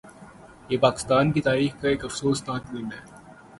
یہ پاکستان کی تاریخ کا ایک افسوسناک دن ہے